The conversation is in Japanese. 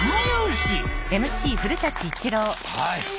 はい。